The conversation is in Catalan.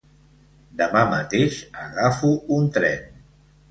Demà mateix agafo un tren.